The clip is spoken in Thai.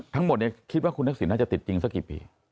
ทั้งหมดคิดว่าคุณทักษิณน่าจะติดจริงสักกี่ปี